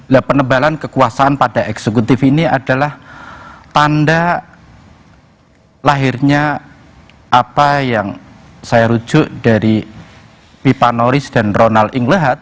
nah penebalan kekuasaan pada eksekutif ini adalah tanda lahirnya apa yang saya rujuk dari pipa noris dan ronald inglehat